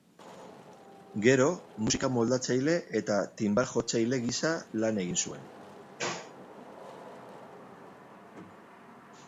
Gero, musika-moldatzaile eta tinbal-jotzaile gisa lan egin zuen.